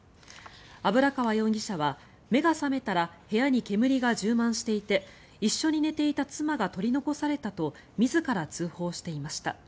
油川容疑者は目が覚めたら部屋に煙が充満していて一緒に寝ていた妻が取り残されたと自ら通報していました。